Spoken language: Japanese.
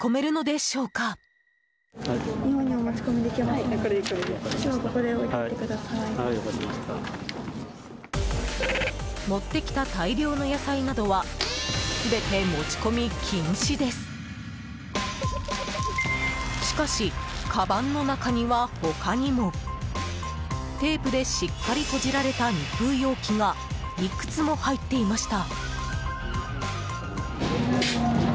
しかし、かばんの中には他にもテープでしっかり閉じられた密封容器がいくつも入っていました。